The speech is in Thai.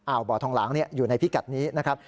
บ่อทองหลางอยู่ในพิกัดนี้นะครับ